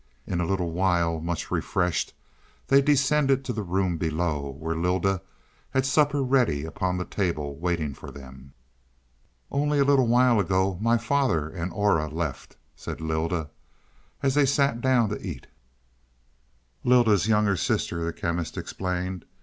In a little while, much refreshed, they descended to the room below, where Lylda had supper ready upon the table waiting for them. "Only a little while ago my father and Aura left," said Lylda, as they sat down to eat. "Lylda's younger sister," the Chemist explained.